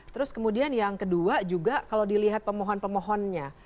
terus kemudian yang kedua juga kalau dilihat pemohon pemohonnya